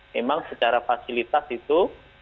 memang secara fasilitas itu